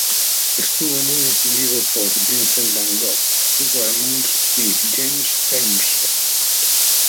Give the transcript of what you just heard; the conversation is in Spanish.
Estuvo muy influido por Vincent van Gogh, Edward Munch, y James Ensor.